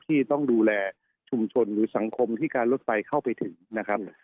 ที่ต้องดูแลชุมชนหรือสังคมที่การรถไฟเข้าไปถึงนะครับ